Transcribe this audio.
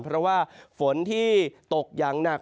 เพราะว่าฝนที่ตกอย่างหนัก